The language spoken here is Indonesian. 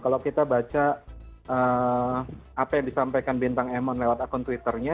kalau kita baca apa yang disampaikan bintang emon lewat akun twitternya